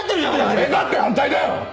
俺だって反対だよ！